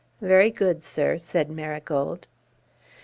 "Very good, sir," said Marigold.